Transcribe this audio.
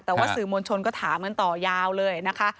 แต่ว่าสื่อมวลชนก็ถามกันต่อยาวเลยนะคะ